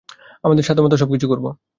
আমাদের সাধ্যমতো সবকিছু করবো।